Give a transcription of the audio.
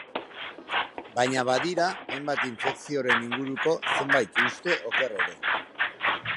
Baina badira hainbat infekzioren inguruko zenbait uste oker ere.